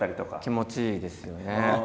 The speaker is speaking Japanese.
気持ちいいですよね。